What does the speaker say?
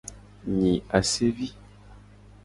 Nyi asevi.